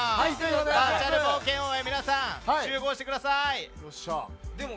バーチャル冒険王へ皆さん、集合してください。